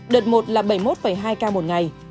đợt một là bảy mươi một hai ca một ngày